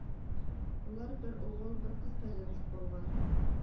ئۇلار بىر ئوغۇل بىر قىز پەرزەنتلىك بولغان.